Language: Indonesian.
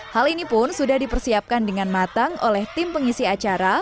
hal ini pun sudah dipersiapkan dengan matang oleh tim pengisi acara